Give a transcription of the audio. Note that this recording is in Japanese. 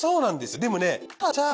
でもね。